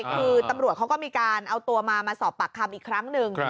คือตำรวจเขาก็มีการเอาตัวมามาสอบปากคำอีกครั้งหนึ่ง